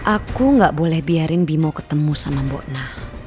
aku gak boleh biarin bimo ketemu sama mbok nah